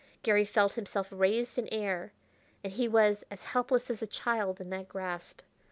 Garry felt himself raised in air, and he was as helpless as a child in that grasp.